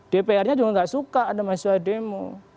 dpr nya juga nggak suka ada mahasiswa demo